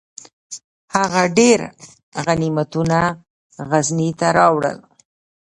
هغه ډیر غنیمتونه غزني ته راوړل.